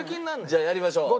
じゃあやりましょう。